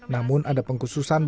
namun ada pengkhususan bagi penyepi